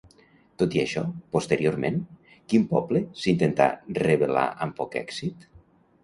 Tot i això, posteriorment, quin poble s'intentà revelar amb poc èxit?